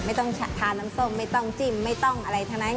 ไม่ต้องทานน้ำส้มไม่ต้องจิ้มไม่ต้องอะไรทั้งนั้น